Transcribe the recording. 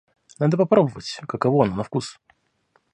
Надо попробовать, каково оно на вкус.